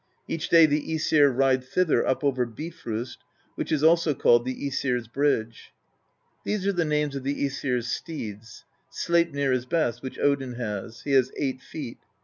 Each day the iEsir ride thither up over Bifrost, which is also called the iEsir's Bridge. These are the names of the ^sir's steeds : Sleipnir ^ is best, which Odin has ; he has eight feet.